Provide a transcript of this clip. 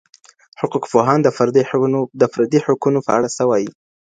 حقوقپوهان د فردي حقونو په اړه څه وایي؟